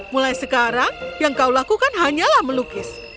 mulai sekarang yang kau lakukan hanyalah melukis